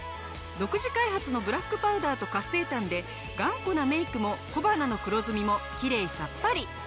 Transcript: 独自開発のブラックパウダーと活性炭で頑固なメイクも小鼻の黒ずみもきれいさっぱり！